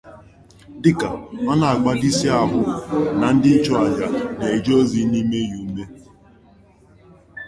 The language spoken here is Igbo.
Dịka ọ na-agbà dayọsiisi ahụ na ndị nchụaja na-eje ozi n'ime ya ume